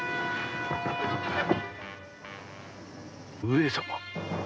上様